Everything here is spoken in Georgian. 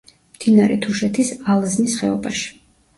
მდინარე თუშეთის ალაზნის ხეობაში.